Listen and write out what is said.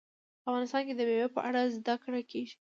افغانستان کې د مېوې په اړه زده کړه کېږي.